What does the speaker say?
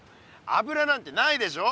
油なんてないでしょ。